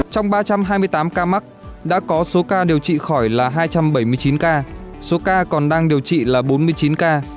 trong ba trăm hai mươi tám ca mắc đã có số ca điều trị khỏi là hai trăm bảy mươi chín ca số ca còn đang điều trị là bốn mươi chín ca